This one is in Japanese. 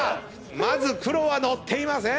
まず黒はのっていません。